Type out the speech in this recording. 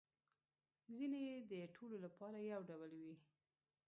ځینې يې د ټولو لپاره یو ډول وي